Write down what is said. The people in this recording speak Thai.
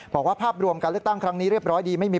บอกว่าภาพรวมกันเลือกตั้งครั้งนี้เรียบร้อยดี